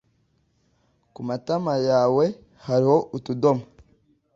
Kumatama yawe hariho utudomo